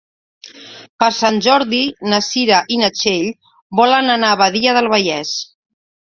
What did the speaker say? Per Sant Jordi na Cira i na Txell volen anar a Badia del Vallès.